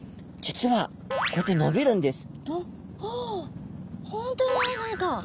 ん？わ本当だ何か。